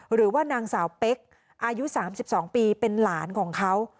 หรือว่านางสาวเป๊กอายุ๓๒ปีเป็นหลานของเขา